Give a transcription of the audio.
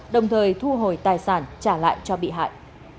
đồng thời thu hồi tài sản trả lại cho bị hại